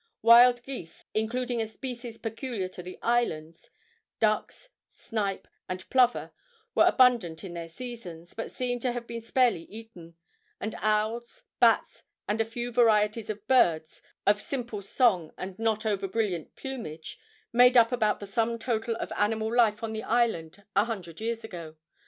Wild geese, including a species peculiar to the islands, ducks, snipe and plover were abundant in their seasons, but seem to have been sparely eaten; and owls, bats, and a few varieties of birds of simple song and not over brilliant plumage made up about the sum total of animal life on the islands a hundred years ago.